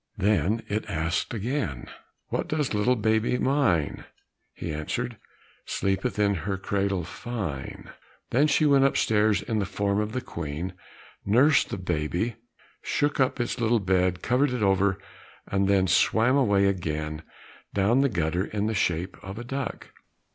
Then it asked again, "What does little baby mine?" He answered, "Sleepeth in her cradle fine." Then she went upstairs in the form of the Queen, nursed the baby, shook up its little bed, covered it over, and then swam away again down the gutter in the shape of a duck.